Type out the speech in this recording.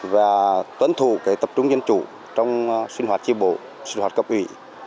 và tuân thủ tập trung dân chủ trong sinh hoạt tri bộ sinh hoạt cấp ủy